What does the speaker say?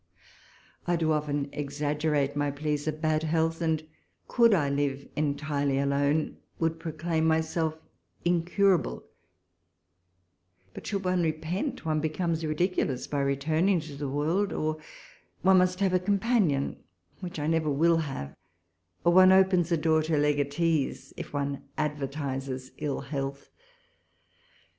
I do often exaggerate my pleas of bad health ; and, could I live entirely alone, would proclaim myself incurable ; but, should one repent, one becomes ridiculous by returning to the world ; or one must have a companion, which I never will have ; or one opens a door to legatees, if one advertises ill health.